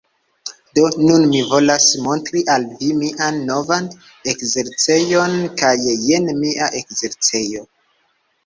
Do, nun mi volas montri al vi mian novan ekzercejon kaj jen mia ekzercejo...